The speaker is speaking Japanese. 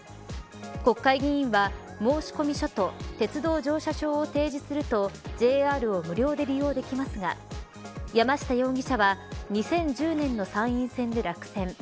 国会議員は申込書と鉄道乗車証を提示するとＪＲを無料で利用できますが山下容疑者は２０１０年の参院選で落選。